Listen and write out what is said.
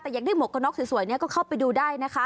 แต่อยากได้หมวกกระน็อกสวยก็เข้าไปดูได้นะคะ